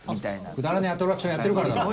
くだらねえアトラクションやってるからだろ。